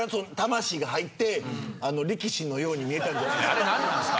あれ何なんすか？